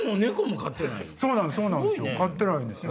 そうなんですよ